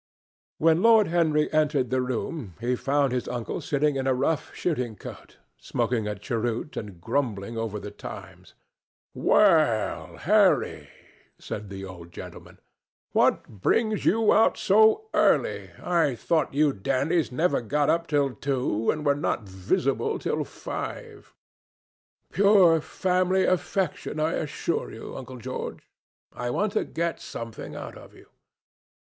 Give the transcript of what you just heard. When Lord Henry entered the room, he found his uncle sitting in a rough shooting coat, smoking a cheroot and grumbling over The Times. "Well, Harry," said the old gentleman, "what brings you out so early? I thought you dandies never got up till two, and were not visible till five." "Pure family affection, I assure you, Uncle George. I want to get something out of you."